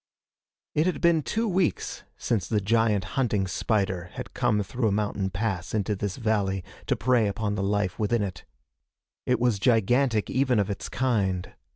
It had been two weeks since the giant hunting spider had come through a mountain pass into this valley to prey upon the life within it. It was gigantic even of its kind.